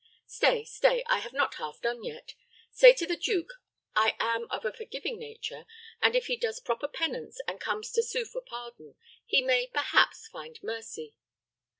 "Stay, stay; I have not half done yet. Say to the duke I am of a forgiving nature, and, if he does proper penance, and comes to sue for pardon, he may perhaps find mercy.